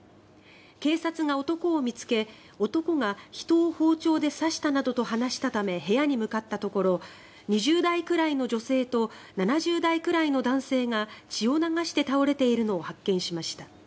警察が男を見つけ男が人を包丁で刺したなどと話したため部屋に向かったところ２０代くらいの女性と７０代くらいの男性が血を流して倒れているのを発見しました。